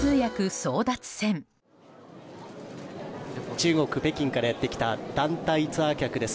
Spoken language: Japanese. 中国・北京からやってきた団体ツアー客です。